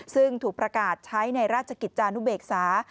ซึ่งถูกประกาศใช้ในราชกิจจานุเบกษา